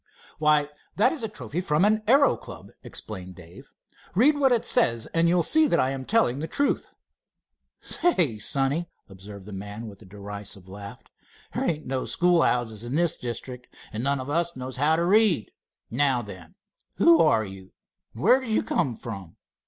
"Why, that is a trophy from an aero club," explained Dave. "Read what it says, and you'll see that I am telling the truth." "Say, sonny," observed the man, with a derisive laugh, "there ain't any schoolhouses in this district, and none of us know how to read. Now then, who are you, and where did you come from?"